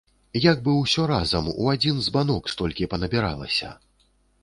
Як бы ўсё разам, у адзін збанок столькі панабіралася.